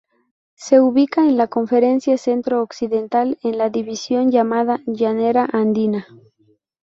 Se ubica en la Conferencia Centro Occidental en la división llamada Llanera Andina.